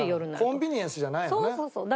コンビニエンスじゃないのね。